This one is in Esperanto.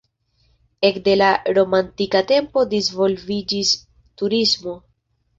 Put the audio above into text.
Ekde la romantika tempo disvolviĝis turismo.